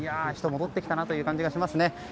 人、戻ってきたなという感じがしますね。